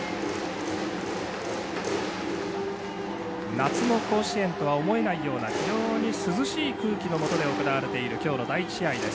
夏の甲子園とは思えないような非常に涼しい空気のもとで行われている第１試合です。